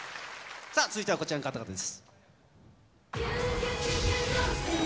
続いてはこちらの方々です。